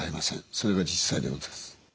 それが実際でございます。